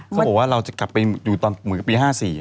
เขาบอกว่าเราจะกลับไปอยู่ตอนเหมือนกับปี๕๔